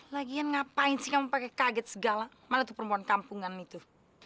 lagian ngapain sih kamu pakai kaget segala mana tuh perempuan kampungan itu